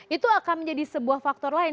itu akan menjadi sebuah faktor lain